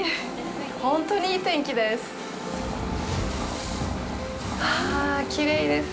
本当にいい天気です。